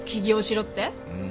うん